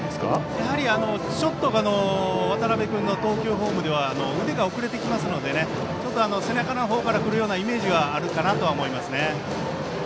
やはりちょっと渡部君の投球フォームでは腕が遅れてきますので背中のほうから来るようなイメージがあるのかなと思います。